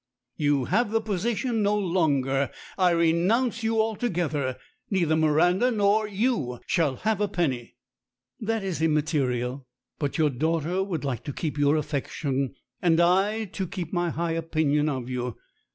"You have the position no longer. I renounce you altogether. Neither Miranda nor you shall have a penny." 48 STORIES WITHOUT TEARS "That is immaterial, but your daughter would like to keep your affection, and I to keep my high opinion of you.